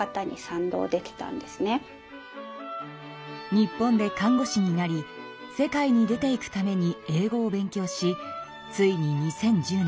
日本で看護師になり世界に出ていくために英語を勉強しついに２０１０年